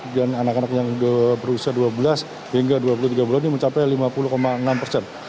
kemudian anak anak yang sudah berusia dua belas hingga dua puluh tiga bulan ini mencapai lima puluh enam persen